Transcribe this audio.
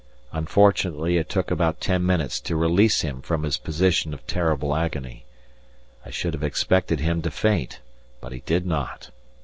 Unfortunately it took about ten minutes to release him from his position of terrible agony. I should have expected him to faint, but he did not.